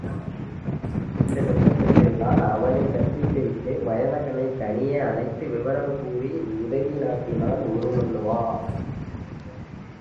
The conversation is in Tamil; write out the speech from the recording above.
இந்தச் சந்தர்ப்பத்தில்தான் அவனைச் சந்தித்துவிட்டு வயந்தகனைத் தனியே அழைத்து விவரம் கூறி உதவி நாடினான் உருமண்ணுவா.